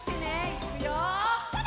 いくよ。